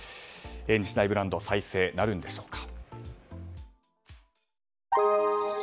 日大ブランドの再生なるんでしょうか。